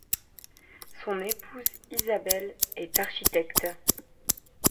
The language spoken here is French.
Son épouse Isabelle est architecte.